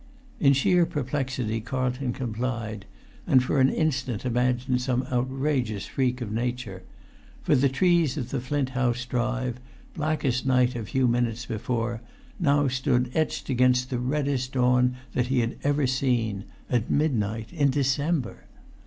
In sheer perplexity Carlton complied; and for an instant imagined some outrageous freak of nature; for the trees of the Flint House drive, black as night a few minutes before, now stood etched against the reddest dawn that he had ever seen—at midnight in December!